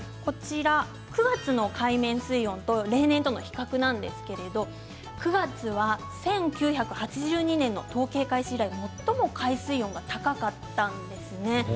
９月の海面水温と、例年との比較なんですけれども９月は１９８２年の統計開始以来最も海水温が高かったんですね。